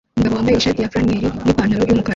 Umugabo wambaye ishati ya flannel nipantaro yumukara